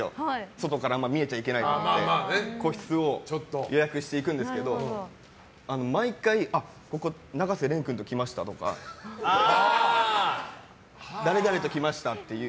外から見えちゃいけないと思って個室を予約して行くんですけど毎回ここ永瀬廉君と来ましたとか誰々と来ましたっていう。